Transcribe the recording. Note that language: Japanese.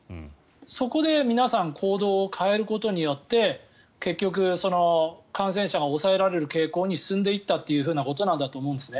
そこで皆さん行動を変えることによって結局、感染者が抑えられる傾向に進んでいったということなんだと思うんですね。